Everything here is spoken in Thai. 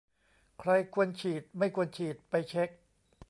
ใครควรฉีดไม่ควรฉีด ไปเช็ก